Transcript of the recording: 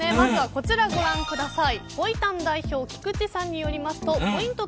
こちらをご覧ください。